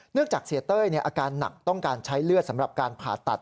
จากเสียเต้ยอาการหนักต้องการใช้เลือดสำหรับการผ่าตัด